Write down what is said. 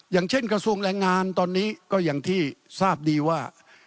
อย่างเช่นกระทรวงแรงงานตอนนี้ก็อย่างที่ทราบดีว่า